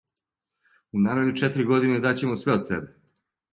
У наредне четири године даћемо све од себе.